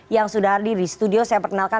yang sudah hadir di studio saya perkenalkan